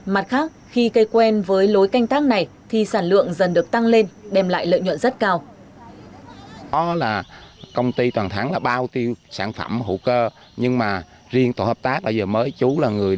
mặt khác khi cây quen với lối canh tác này thì sản lượng dần được tăng lên đem lại lợi nhuận rất cao